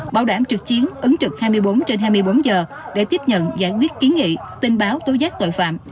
bảo đảm trực chiến ứng trực hai mươi bốn trên hai mươi bốn giờ để tiếp nhận giải quyết kiến nghị tin báo tố giác tội phạm